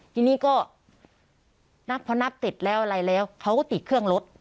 ทีนี้ก็นับพอนับเสร็จแล้วอะไรแล้วเขาก็ติดเครื่องรถ